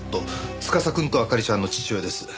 司くんと明里ちゃんの父親です。